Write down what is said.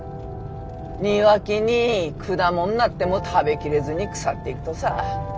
庭木に果物なっても食べきれずに腐っていくとさ。